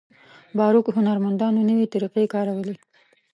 باروک هنرمندانو نوې طریقې کارولې.